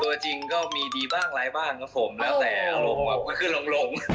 ตัวจริงก็มีดีบ้างร้ายบ้างครับผมแล้วแต่ก็คือหลง